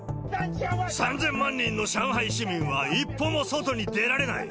３０００万人の上海市民は一歩も外に出られない。